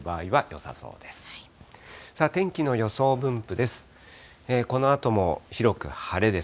さあ、天気の予想分布です。